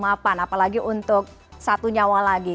apalagi untuk satu nyawa lagi